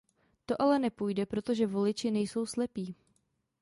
To ale nepůjde, protože voliči nejsou slepí.